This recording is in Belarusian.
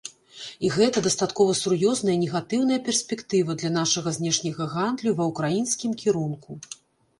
І гэта дастаткова сур'ёзная негатыўная перспектыва для нашага знешняга гандлю ва ўкраінскім кірунку.